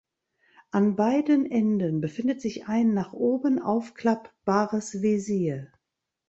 An beiden Enden befindet sich ein nach oben aufklappbares Visier.